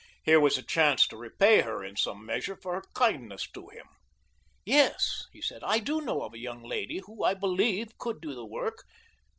Here was a chance to repay her in some measure for her kindness to him. "Yes," he said, "I do know of a young lady who, I believe, could do the work.